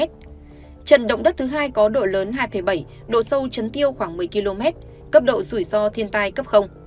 trận động đất thứ hai có độ lớn hai bảy độ sâu chấn tiêu khoảng một mươi km cấp độ rủi ro thiên tai cấp